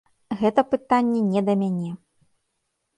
Гэта пытанне не да мяне.